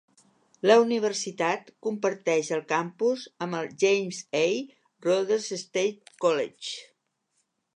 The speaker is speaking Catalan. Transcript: La universitat comparteix el campus amb el James A. Rhodes State College.